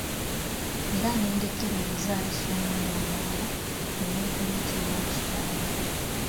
Era ne ndekera omuzaalisa omwana omuwala, gwe ne nkuleeta ewaka wa kitaawo.